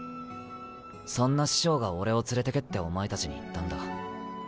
そんな師匠が俺を「連れてけ」ってお前たちに言ったんだ。